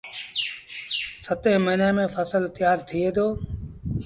ستيٚن مهيني ميݩ ڦسل تيآر ٿئيٚ دو